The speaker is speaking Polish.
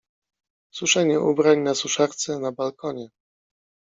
Suszenie ubrań na suszarce na balkonie.